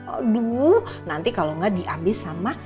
aduh nanti kalau nggak diambil sama